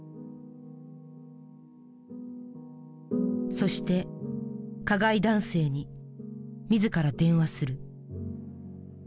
そして加害男性に自ら電話する。